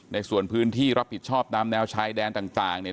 ในส่วนพื้นที่รับผิดชอบตามแนวชายแดนต่างเนี่ย